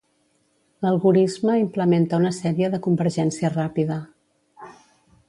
L'algorisme implementa una sèrie de convergència ràpida.